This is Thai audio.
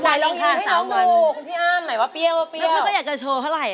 ๓วันนิกาอย่างน้อยเปรี้ยวแต่เขาอยากจะโชว์เท่าไรอะ